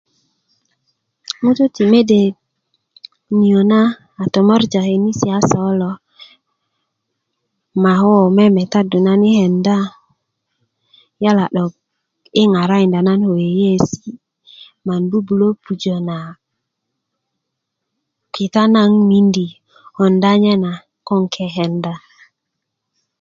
ŋutu' ti mede niyo na a tomorja könisi' kase kulo ma koo memetadu nan yi kenda ni yala 'dok yi ŋaŋarikinda nan ko yeyeesi' ma nan bubulö pujö na kita naŋ 'nmiindi konda nye na kon kekenda